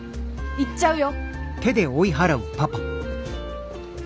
行っちゃうよ！